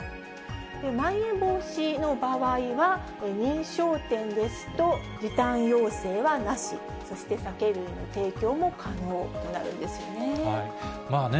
まん延防止の場合は、認証店ですと時短要請はなし、そして酒類の提供も可能となるんですよね。